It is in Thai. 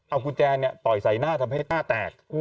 เอากุญแจต่อยใส่หน้าทำให้อ้าแตก